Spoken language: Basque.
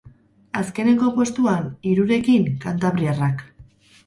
Azkenengo postuan, hirurekin, kantabriarrak.